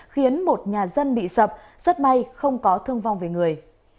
khiến một nhà dân bị sập rất may không có thương vong về người